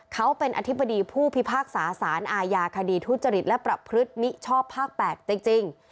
เขาเป็นอธิบดีผู้พิพากษาสารอาญาคดีทุจริตและประพฤติมิชชอบภาค๘จริง